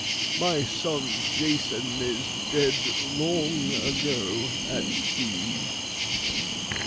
My son Jason is dead long ago at sea.